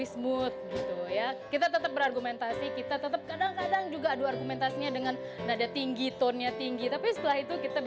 satu tahun cnn indonesia